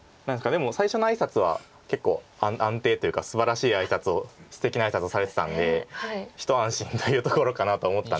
でも最初の挨拶は結構安定というかすばらしい挨拶をすてきな挨拶をされてたんで一安心というところかなと思ったんですけど。